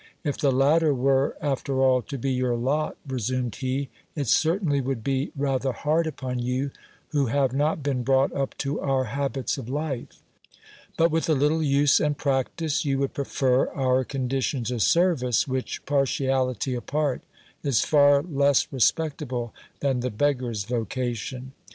If the latter were, after all, to be your lot, resumed he, it certainly would be rather hard upon you, who have not been brought up to our habits of life ; but, with a little use and practice, you would prefer our condi tion to service, which, partiality apart, is far less respectable than the beggar's vocation.